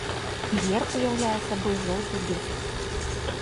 Герб уяўляе сабой жоўты дыск.